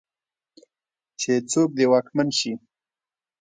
چې څوک دې واکمن شي.